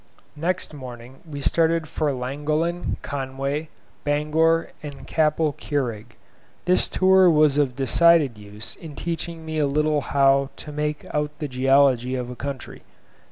Next morning we started for Llangollen, Conway, Bangor, and Capel Curig. This tour was of decided use in teaching me a little how to make out the geology of a country.